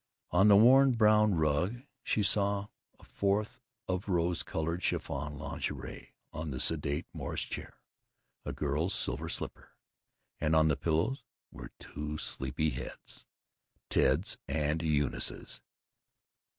On the worn brown rug he saw a froth of rose colored chiffon lingerie; on the sedate Morris chair a girl's silver slipper. And on the pillows were two sleepy heads Ted's and Eunice's.